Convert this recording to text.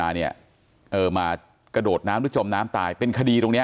เมรินดร์เนี่ยเออมากระโดดน้ำต้าจมน้ำตายเป็นคดีตรงนี้